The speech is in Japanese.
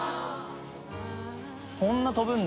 こんな飛ぶんだ。